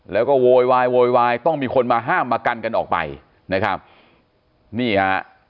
แล้วก็โวยวายโวยวายต้องมีคนมาห้ามมากันกันออกไปนะครับนี่ฮะ